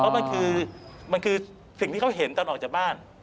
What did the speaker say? เพราะมันคือมันคือสิ่งที่เขาเห็นตอนออกจากบ้าน